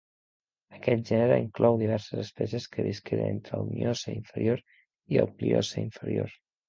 Aquest gènere inclou diverses espècies que visqueren entre el Miocè inferior i el Pliocè inferior.